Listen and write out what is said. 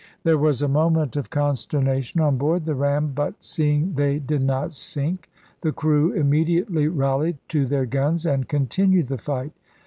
There was a moment of consternation on board the ram, but see ing they did not sink the crew immediately rallied to their guns and continued the fight.